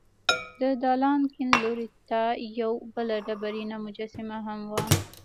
د دالان کیڼ لور ته یوه بله ډبرینه مجسمه هم وه.